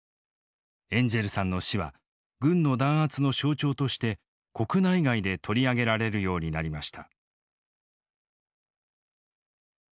エンジェルさんの死は軍の弾圧の象徴として国内外で取り上げられるようになりました。